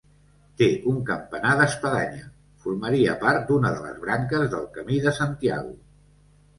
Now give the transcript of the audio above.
Té un campanar d'espadanya, formaria part d'una de les branques del camí de Santiago.